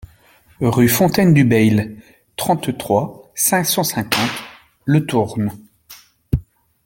Rue Fontaine du Bayle, trente-trois, cinq cent cinquante Le Tourne